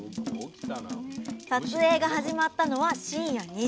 撮影が始まったのは深夜２時すぎ！